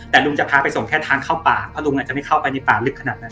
แต่ลุงจะพาไปส่งแค่ทางเข้าป่าเพราะลุงอาจจะไม่เข้าไปในป่าลึกขนาดนั้น